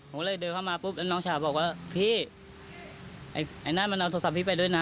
ผมก็เลยเดินเข้ามาปุ๊บแล้วน้องฉาบอกว่าพี่ไอ้นั่นมันเอาโทรศัพพี่ไปด้วยนะ